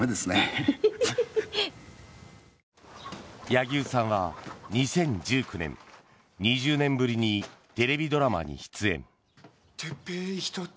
柳生さんは２０１９年２０年ぶりにテレビドラマに出演。